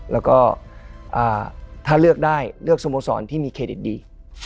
แล้วก็ถ้าเลือกได้เลือกสโมสรที่มีเครดิตดี